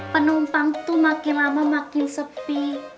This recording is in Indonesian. penumpang tuh makin lama makin sepi